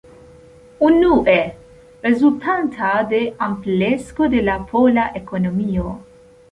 Unue: rezultanta de amplekso de la pola ekonomio.